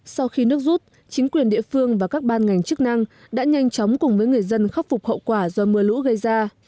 sau khi nước rút chính quyền địa phương và các ban ngành chức năng đã nhanh chóng cùng với người dân khắc phục hậu quả do mưa lũ gây ra